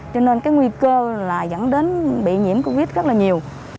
cho nên cái nguy cơ là dẫn đến bị nhiễm covid rất là nhiều